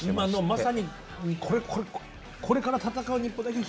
まさにこれから戦う日本代表